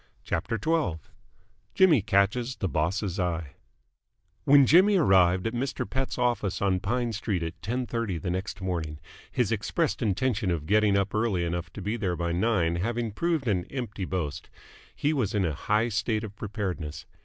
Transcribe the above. CHAPTER XII JIMMY CATCHES THE BOSS'S EYE When Jimmy arrived at Mr. Pett's office on Pine Street at ten thirty the next morning his expressed intention of getting up early enough to be there by nine having proved an empty boast he was in a high state of preparedness.